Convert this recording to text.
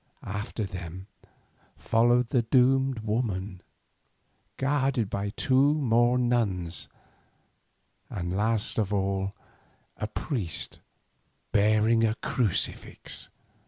After them followed the doomed woman, guarded by two more nuns, and last of all a priest bearing a crucifix.